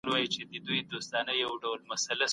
کومو مخکښانو د ابن خلدون نظریات وړاندې کړي؟